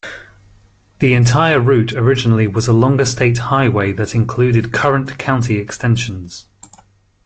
The entire route originally was a longer state highway that included current county extensions.